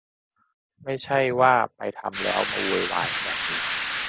ไม่ใช่ว่าไปทำแล้วมาโวยวายแบบนี้